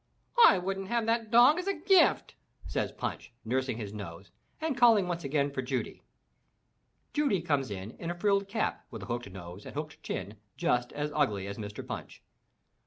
"I wouldn't have that dog as a gift," says Punch, nursing his nose and calling once again for Judy. Judy comes in in a frilled cap with a hooked nose and hooked chin, just as ugly as Mr. Punch.